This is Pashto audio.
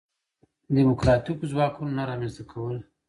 دیموکراتیکو ځواکونو نه رامنځته کول.